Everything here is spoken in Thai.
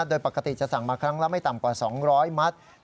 โดยปกติจะสั่งมาครั้งละไม่ต่ำกว่า๒๐๐มัตต์